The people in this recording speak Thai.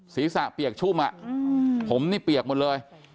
ศีรษะเปียกชุ่มผมนี่เปียกหมดเลย